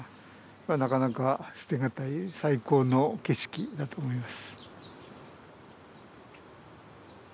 なかなか捨てがたい最高の景色だと思います。